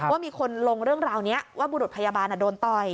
ว่ามีคนลงเรื่องราวนี้ว่าบุรุษพยาบาลโดนต่อย